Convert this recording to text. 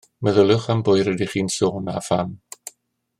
Meddyliwch am bwy rydych chi'n sôn a pham